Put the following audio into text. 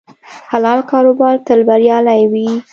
حلال کاروبار تل بریالی وي.